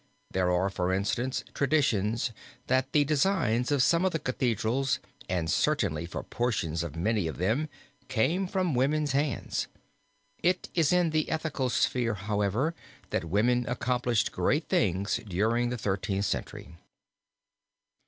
There are, for instance, traditions that the designs for some of the Cathedrals and certainly for portions of many of them came from women's hands. It is in the ethical sphere, however, that women accomplished great things during the Thirteenth Century.